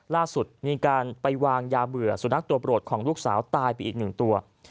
ล่าสุดมีการไปวางยาเบื่อสุนัขตัวโปรดของลูกสาวตายไปอีกหนึ่งตัว